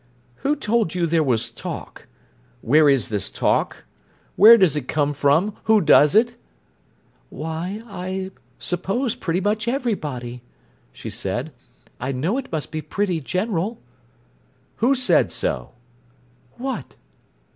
"Who told you there was talk? Where is this talk? Where does it come from? Who does it?" "Why, I suppose pretty much everybody," she said. "I know it must be pretty general." "Who said so?" "What?"